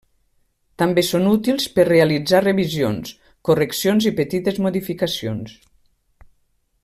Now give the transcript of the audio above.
També són útils per realitzar revisions, correccions i petites modificacions.